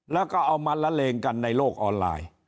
แล้วก็เอามาละเลงกันในโลกออนไลน์